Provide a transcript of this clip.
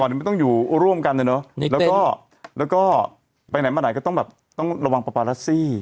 มันต้องอยู่ร่วมกันนะเนอะแล้วก็ไปไหนมาไหนก็ต้องแบบต้องระวังปาปารัสซี่